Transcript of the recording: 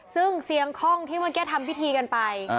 ซึ่งเสียงคล่องที่เมื่อกี้ทำพิธีกันไป